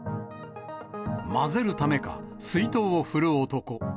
混ぜるためか、水筒を振る男。